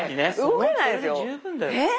動けないですよ。え？